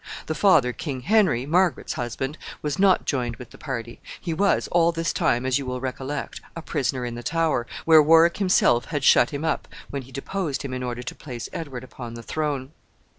The father, King Henry, Margaret's husband, was not joined with the party. He was all this time, as you will recollect, a prisoner in the Tower, where Warwick himself had shut him up when he deposed him in order to place Edward upon the throne.